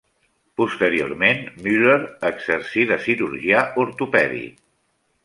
Posteriorment Muller exercí de cirurgià ortopèdic.